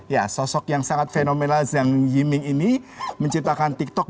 ya sosok yang sangat fenomena zhang yiming ini menciptakan tiktok